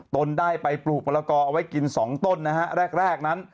ตนได้ไปปลูกมะละกอเอาไว้กิน๒ต้นนะฮะแรกแรกนั้น